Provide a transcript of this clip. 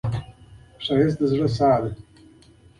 ښایست د زړه ساه ده